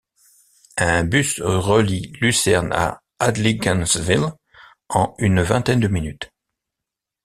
Un bus relie Lucerne à Adligenswil en une vingtaine de minutes.